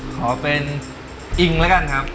ขอเป็นอิงแล้วกันครับ